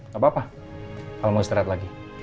gak apa apa kalau mau istirahat lagi